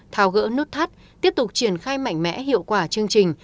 tháo gỡ nút thắt tiếp tục triển khai mạnh mẽ hiệu quả chương trình